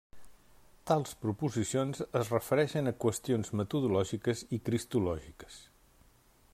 Tals proposicions es refereixen a qüestions metodològiques i cristològiques.